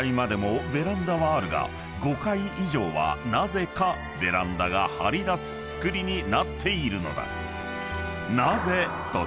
［５階以上はなぜかベランダが張り出す造りになっているのだ］